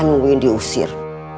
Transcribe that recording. masa nungguin diusir